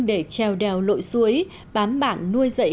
để trèo đèo lội suối bám bản nuôi dậy